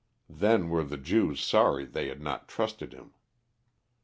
Then were the Jews sorry they had not trusted him.